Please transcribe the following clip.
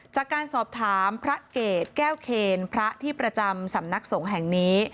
จากการสอบถามพระเกรดแก้วเคนพระที่ประจำสำนักสงฆ์แห่งนี้